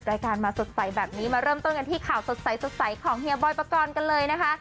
รายการมาสดใสแบบนี้มาเริ่มต้นกันที่ข่าวสดใสสดใสของเฮียบอยปกรณ์กันเลยนะคะ